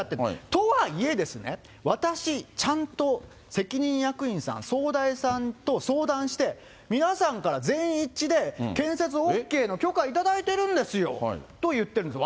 とはいえですね、私、ちゃんと責任役員さん、総代さんと相談して、皆さんから全員一致で建設ＯＫの許可いただいてるんですよと言ってるんです。